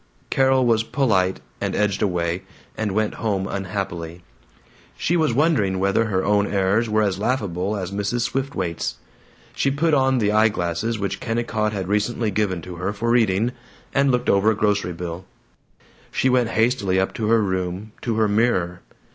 Carol was polite, and edged away, and went home unhappily. She was wondering whether her own airs were as laughable as Mrs. Swiftwaite's. She put on the eye glasses which Kennicott had recently given to her for reading, and looked over a grocery bill. She went hastily up to her room, to her mirror.